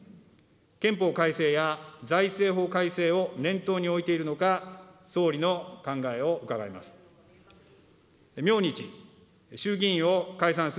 憲法改正や財政法改正を念頭に置いているのか、総理の考えを伺います。